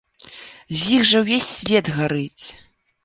З іх жа ўвесь свет гарыць.